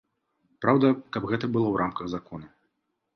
Праўда, каб гэта было ў рамках закона.